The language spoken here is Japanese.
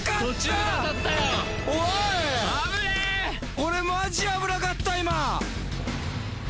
俺、マジ危なかった、今。